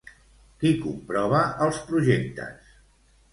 Qui comprova els projectes?